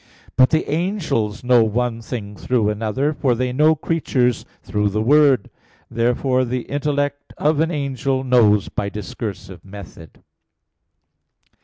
But the angels know one thing through another; for they know creatures through the Word. Therefore the intellect of an angel knows by discursive method.